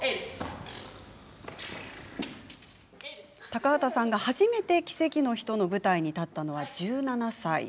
高畑さんが初めて「奇跡の人」の舞台に立ったのは１７歳。